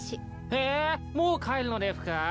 えもう帰るのですか？